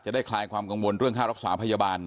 ได้คลายความกังวลเรื่องค่ารักษาพยาบาล